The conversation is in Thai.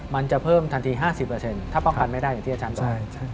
มันจะเพิ่มทันที๕๐ถ้าป้องกันไม่ได้อย่างที่อาจารย์บอก